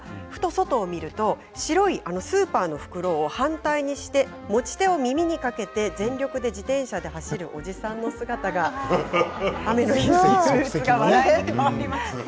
外を見ると白いスーパーの袋を反対にして持ち手を耳にかけて全力で自転車で走るおじさんの姿がありました。